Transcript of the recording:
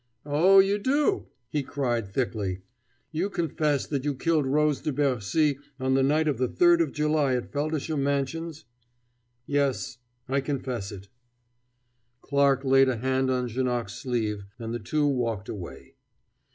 "Oh, you do?" he cried thickly. "You confess that you killed Rose de Bercy on the night of the 3d of July at Feldisham Mansions?" "Yes, I confess it." Clarke laid a hand on Janoc's sleeve, and the two walked away.